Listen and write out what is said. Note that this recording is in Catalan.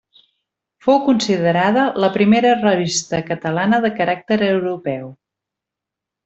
Fou considerada la primera revista catalana de caràcter europeu.